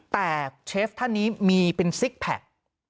แต่เชฟท่านนี้มีเป็นซิกแพค